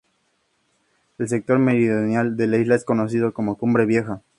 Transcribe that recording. El sector meridional de la isla es conocido como Cumbre Vieja.